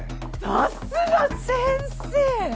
さすが先生。